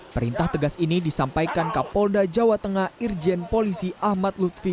perintah tegas ini disampaikan kapolda jawa tengah irjen polisi ahmad lutfi